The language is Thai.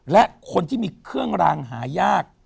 และคนที่มีเครื่องรางหายาก